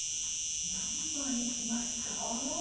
何番いきますか？